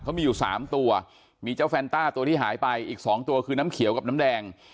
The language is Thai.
เขามีอยู่๓ตัวมีเจ้าแฟนต้าตัวที่หายไปอีก๒ตัวคือน้ำเขียวกับน้ำแดง